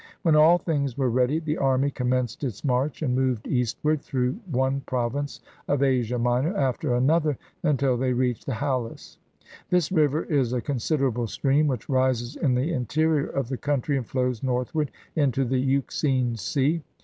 When all things were ready, the army commenced its march and moved eastward, through one province of Asia Minor after another, until they reached the Halys. This river is a considerable stream, which rises in the interior of the country, and flows northward into the Euxine Sea.